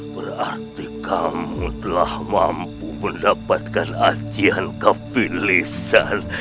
berarti kamu telah mampu mendapatkan ajian kepilisan